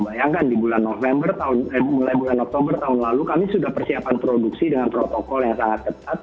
bayangkan di bulan november mulai bulan oktober tahun lalu kami sudah persiapan produksi dengan protokol yang sangat ketat